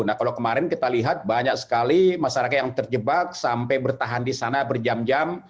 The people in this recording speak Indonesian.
nah kalau kemarin kita lihat banyak sekali masyarakat yang terjebak sampai bertahan di sana berjam jam